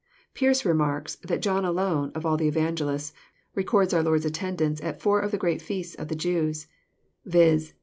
Pearce remarks, that John alone, of all the evangelists, records our Lord's attendance at four of the great feasts of the Jews : viz.